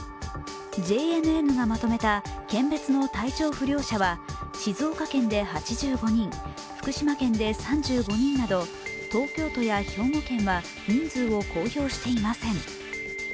ＪＮＮがまとめた県別の体調不良者は静岡県で８５人、福島県で３５人など東京都や兵庫県は人数を公表していません。